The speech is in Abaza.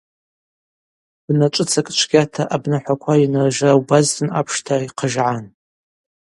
Бначвыцӏакӏ чвгьата абнахӏваква йаныржра убазтын апшта йхъыжгӏан.